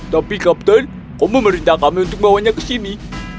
tapi kapten kau memerintah kami untuk membawanya ke sini